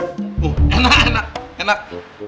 oh enak enak